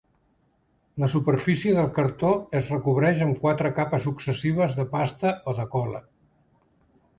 La superfície del cartó es recobreix amb quatre capes successives de pasta o de cola.